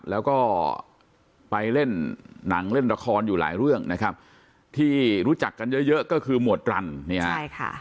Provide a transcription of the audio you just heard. แล้วก็ไปเล่นหนังเล่นละครอยู่หลายเรื่องนะครับที่รู้จักกันเยอะเยอะก็คือหมวดรันเนี่ยใช่ค่ะ